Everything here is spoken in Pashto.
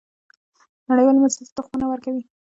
نړیوالې موسسې تخمونه ورکوي.